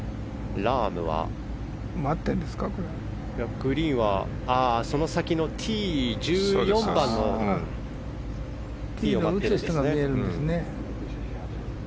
グリーンはその先の１４番のティーが待っているんですね。